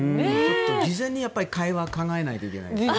事前に会話を考えないといけないですね。